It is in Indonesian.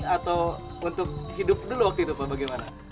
atau untuk hidup dulu waktu itu pak bagaimana